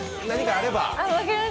何かあれば。